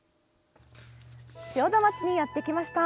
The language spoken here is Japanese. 千代田町にやってきました。